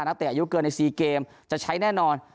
เตะอายุเกินใน๔เกมจะใช้แน่นอน